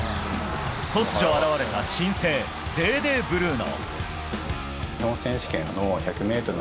突如現れた新星デーデー・ブルーノ。